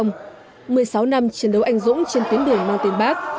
một mươi sáu năm chiến đấu anh dũng trên tuyến đường mang tên bác